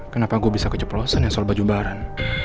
kenapa gue bisa keceplosan ya soal baju umbaran